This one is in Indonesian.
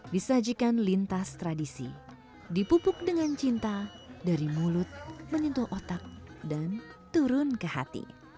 disajikan lintas tradisi dipupuk dengan cinta dari mulut menyentuh otak dan turun ke hati